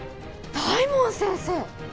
大門先生！？